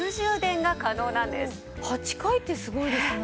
８回ってすごいですね。